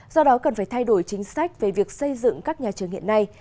do đó cần phải thay đổi chính sách về việc xây dựng các nhà trường hiện nay